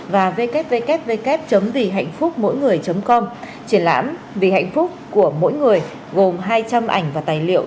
và www vihạnhphucmỗingười com triển lãm vì hạnh phúc của mỗi người gồm hai trăm linh ảnh và tài liệu